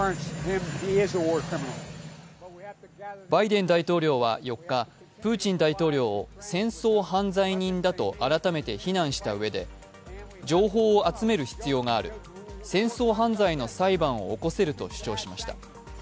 バイデン大統領は４日、プーチン大統領を戦争犯罪人だと改めて非難したうえで情報を集める必要がある戦争犯罪の裁判を起こせると主張しました。